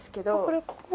これ？